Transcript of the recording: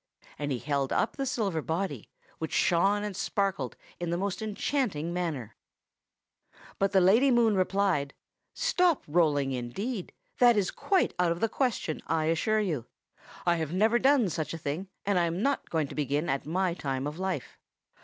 And he held up the silver body, which shone and sparkled in the most enchanting manner. "Here I am, dear Lady Moon." "But the Lady Moon replied, 'Stop rolling, indeed! that is quite out of the question, I assure you. I have never done such a thing, and I am not going to begin at my time of life.